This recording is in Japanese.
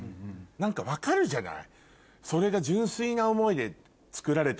何か分かるじゃない？